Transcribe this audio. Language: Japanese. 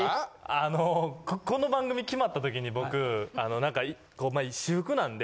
あのこの番組決まった時に僕私服なんで。